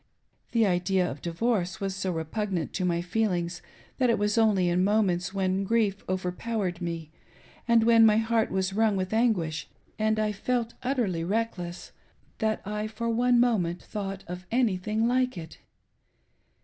The idea of divorce was so repugnant to my feelings that it was only in moments when grief overpowered me, and my heart was wrung with anguish, and I felt utterly reckless, that I for one moment thought of anything like it.